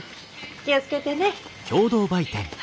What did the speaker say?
気を付けてね。